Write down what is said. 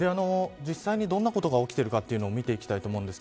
実際に、どんなことが起きているのかも見ていきます。